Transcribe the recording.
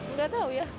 nggak tahu ya